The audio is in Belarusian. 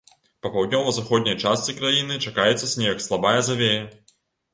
Па паўднёва-заходняй частцы краіны чакаецца снег, слабая завея.